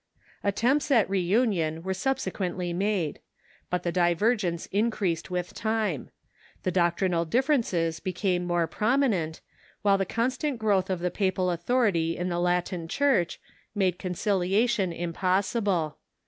Attempts at reunion were subsequently made. But the divergence increased with time. The doctrinal differences became more prominent, M'hile the constant growth at Rrunion ^^^^^^ papal authority in the Latin Church made conciliation impossible.